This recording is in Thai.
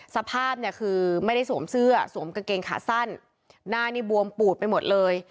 สภาพเนี่ยคือไม่ได้สวมเสื้อสวมกางเกงขาสั้นหน้านี่บวมปูดไปหมดเลย